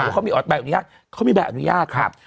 เขามีออร์ดแบบอนุญาตเขามีแบบอนุญาตครับ